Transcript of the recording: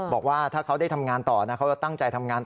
บอกว่าถ้าเขาได้ทำงานต่อนะเขาจะตั้งใจทำงาน